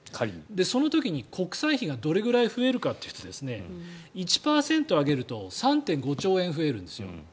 その時に国債費がどれだけ増えるかというと１％上げると３．５兆円増えるんです。